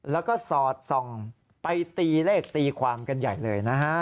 แล้วก็สอดส่องไปตีเลขตีความกันใหญ่เลยนะฮะ